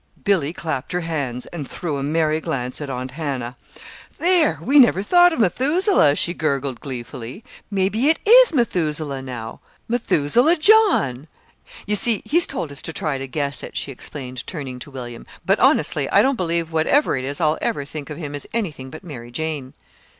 Billy clapped her hands, and threw a merry glance at Aunt Hannah. "There! we never thought of 'Methuselah,'" she gurgled gleefully. "Maybe it is 'Methuselah,' now 'Methuselah John'! You see, he's told us to try to guess it," she explained, turning to William; "but, honestly, I don't believe, whatever it is, I'll ever think of him as anything but 'Mary Jane.'"